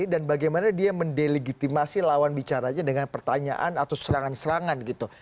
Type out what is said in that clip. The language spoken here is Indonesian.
dan bagaimana dia mendelegitimasi lawan bicaranya dengan pertanyaan atau serangan serangan gitu